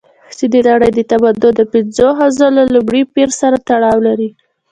چې د نړۍ د تمدن د پنځو حوزو له لومړي پېر سره تړاو لري.